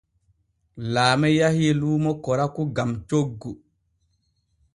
Laame yahii luumo koraku gam coggu.